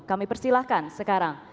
kami persilahkan sekarang